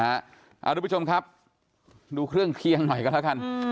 คุณผู้ชมครับดูเครื่องเคียงหน่อยกันแล้วกัน